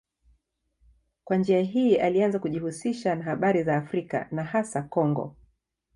Kwa njia hii alianza kujihusisha na habari za Afrika na hasa Kongo.